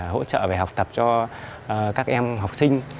hỗ trợ về học tập cho các em học sinh